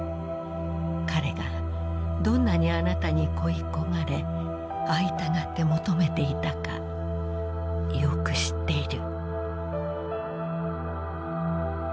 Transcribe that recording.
彼がどんなにあなたに恋い焦がれ会いたがって求めていたかよく知っている」。